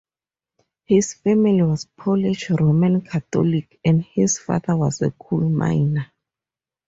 His family was Polish Roman Catholic, and his father was a coal miner.